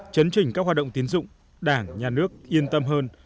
chấn trình các hoạt động tiến dụng đảng nhà nước yên tâm hơn